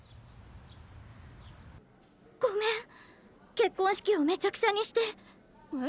結婚式をめちゃくちゃにして！へ？